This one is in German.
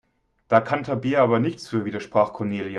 Da kann Tabea aber nichts für, widersprach Cornelia.